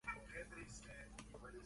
Yusuke Matsuda